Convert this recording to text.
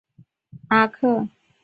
卢皮阿克。